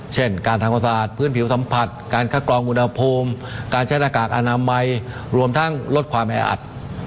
เช่นการทำความสะอาดพื้นผิวสัมผัสการคัดกรองอุณหภูมิการใช้หน้ากากอนามัยรวมทั้งลดความแออัด